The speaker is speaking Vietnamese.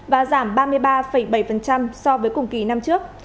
và giảm ba mươi ba bảy so với cùng kỳ năm trước